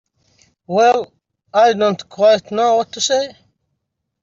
Well—I don't quite know what to say.